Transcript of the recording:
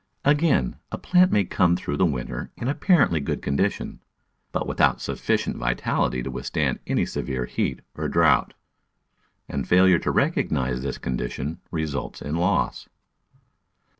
Again, a plant may come through the winter in apparently good condition, but without suf ficient vitality to withstand any severe heat or drought, and failure to recognise this condition results in loss.